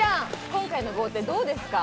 今回の豪邸どうですか？